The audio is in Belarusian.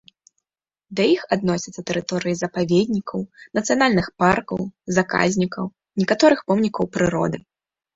Да іх адносяцца тэрыторыі запаведнікаў, нацыянальных паркаў, заказнікаў, некаторых помнікаў прыроды.